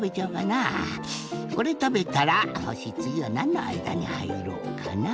これたべたらよしつぎはなんのあいだにはいろうかな。